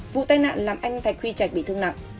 vụ tai nạn làm anh thạch huy trạch bị thương nặng